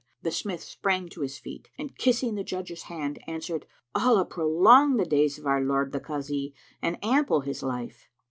The smith sprang to his feet and kissing the Judge's hand, answered, "Allah prolong the days of our lord the Kazi and ample his life!"